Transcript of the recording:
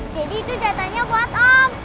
jadi itu jatuhannya buat om